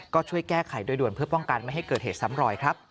ก็ช่วยแก้ไขโดยด่วนเพื่อป้องกันไม่ให้เกิดเหตุซ้ำรอยครับ